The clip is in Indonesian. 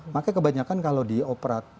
makanya kebanyakan kalau di operator